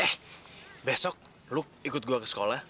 eh besok lu ikut gue ke sekolah